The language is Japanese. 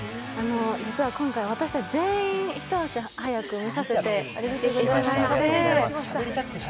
実は今回私たち全員、一足早く見させていただきました。